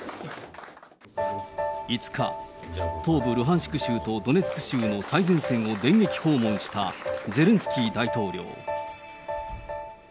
５日、東部ルハンシク州とドネツク州の最前線を電撃訪問したゼレンスキー大統領。